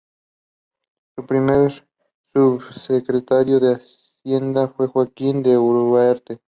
El primer subsecretario de Hacienda fue Joaquín de Uriarte..